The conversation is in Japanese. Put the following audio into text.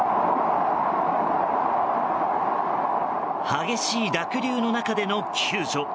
激しい濁流の中での救助。